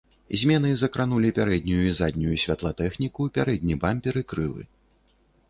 Змены закранулі пярэднюю і заднюю святлатэхніку, пярэдні бампер і крылы.